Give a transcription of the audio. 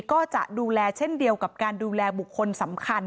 ก็จะดูแลเช่นเดียวกับการดูแลบุคคลสำคัญ